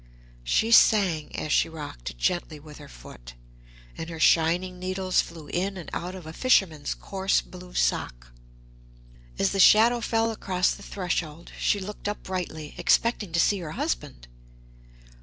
She sang as she rocked it gently with her foot, and her shining needles flew in and out of a fisherman's coarse blue sock. As the shadow fell across the threshold she looked up brightly, expecting to see her husband.